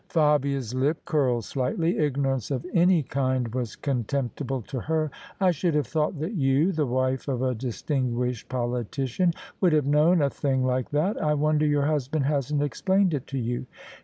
Fabia's lip curled slightly. Ignorance of any kind was contemptible to her. " I should have thought that you, the wife of a distinguished politician, would have known a thing like that. I wonder your husband hasn't explained it to you."